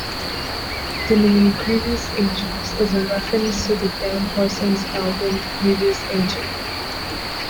The name "Grievous Angels" is a reference to the Gram Parsons album Grievous Angel.